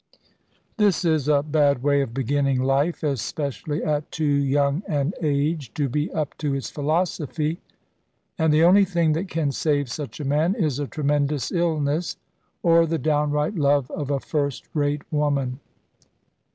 This is a bad way of beginning life, especially at too young an age to be up to its philosophy; and the only thing that can save such a man is a tremendous illness, or the downright love of a first rate woman.